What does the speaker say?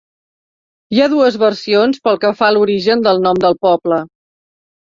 Hi ha dues versions pel que fa a l'origen del nom del poble.